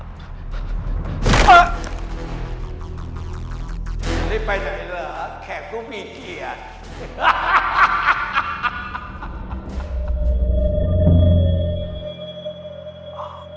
ที่จะได้ไปไหนเหรอแข็งกูมีเกียรติ